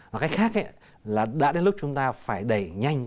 và cái khác là đã đến lúc chúng ta phải đẩy nhanh